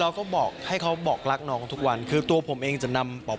เขาบอกให้เขาบอกรักน้องทุกวันคือตัวผมเองจะนำบอก